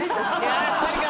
やっぱりか！